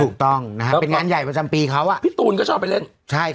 ถูกต้องนะฮะเป็นงานใหญ่ประจำปีเขาอ่ะพี่ตูนก็ชอบไปเล่นใช่